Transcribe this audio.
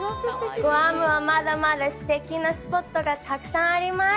グアムはまだまだすてきなスポットがたくさんあります。